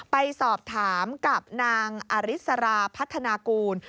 ไปสอบถามกับนางอริสราพัฒนากูล